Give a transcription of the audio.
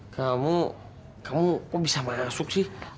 kamu kamu kok bisa bayar masuk sih